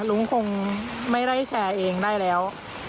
ลุงคงไม่ได้แชร์เองได้แล้ว